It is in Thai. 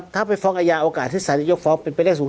ถ้าไปฟ้องอาญาโอกาสที่สาธารณียกฟ้องเป็นเป็นแรกสูง